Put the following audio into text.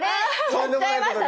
とんでもないことに。